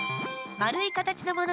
丸い形のもの。